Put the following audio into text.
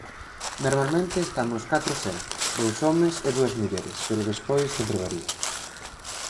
Normalmente estamos catro sempre, dous homes e dúas mulleres, pero despois sempre varía.